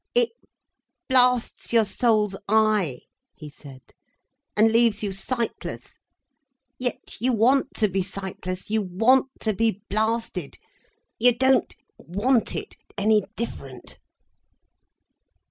"It blasts your soul's eye," he said, "and leaves you sightless. Yet you want to be sightless, you want to be blasted, you don't want it any different."